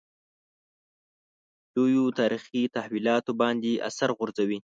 لویو تاریخي تحولاتو باندې اثر غورځوي.